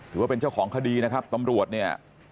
ว่าเป็นเจ้าของคดีนะครับตำรวจเนี่ย